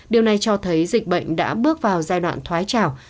điều này cho thấy dịch bệnh đã bước vào giai đoạn thoái trào